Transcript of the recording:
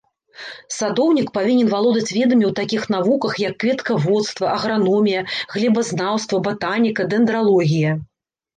Садоўнік павінен валодаць ведамі ў такіх навуках, як кветкаводства, аграномія, глебазнаўства, батаніка, дэндралогія.